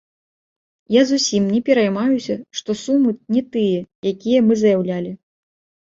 Я зусім не пераймаюся, што сумы не тыя, якія мы заяўлялі.